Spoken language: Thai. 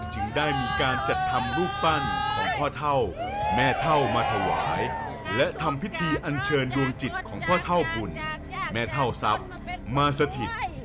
จึงได้มีการจัดทำรูปปั้นของพ่อเท่าแม่เท่ามาถวายและทำพิธีอันเชิญดวงจิตของพ่อเท่าบุญแม่เท่าทรัพย์มาสถิต